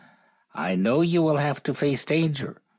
I know you will have to face danger.